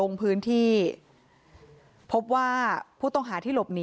คุณภรรยาเกี่ยวกับข้าวอ่ะคุณภรรยาเกี่ยวกับข้าวอ่ะ